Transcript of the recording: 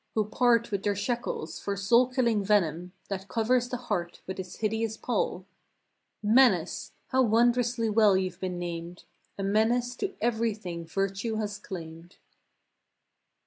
Who part with their shekels for soul killing venom That covers the heart with its hideous pall. 167 "Menace!*' How wondrously well you've been named I A menace to everything virtue has claimed.